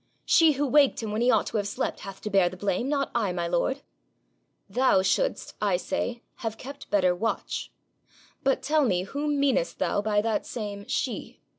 'She who waked him when he ought to have slept hath to bear the blame, not I, my lord.' 'Thou shouldst, I say, have kept better watch. But tell me whom meanest thou by that same SHE?'